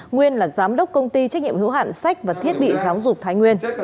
nguyên là giám đốc công ty trách nhiệm hữu hạn sách và thiết bị giáo dục thái nguyên